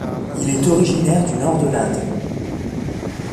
Il est originaire du nord de l'Inde.